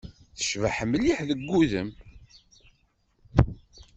Tecbeḥ mliḥ deg wudem.